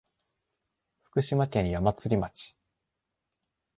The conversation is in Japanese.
福島県矢祭町